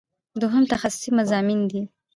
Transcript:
دوهم تخصصي مضامین دي.